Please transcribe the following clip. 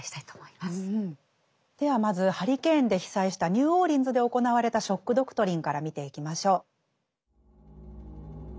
ではまずハリケーンで被災したニューオーリンズで行われた「ショック・ドクトリン」から見ていきましょう。